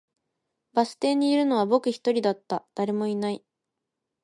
バス停にいるのは僕一人だった、誰もいない